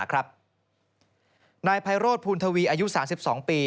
หาครับนายพัยโรธพูลทวีอายุสามสิบสองปี